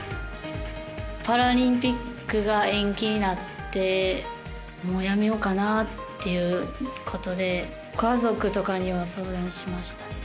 パラリンピックが延期になってもう、やめようかなということで家族とかには相談しました。